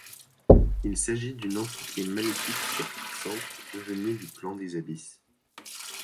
Il s'agit une entité maléfique surpuissante venue du plan des Abysses.